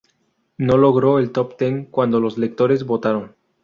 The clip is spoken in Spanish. No logró el top ten cuando los lectores votaron.